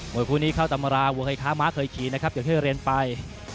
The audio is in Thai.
ครูเต้นตำราววุงให้ทำมาเคยขี่นะครับจนถึงเครียนไป